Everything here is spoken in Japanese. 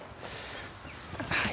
はい。